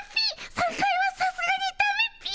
３回はさすがにだめっピィ！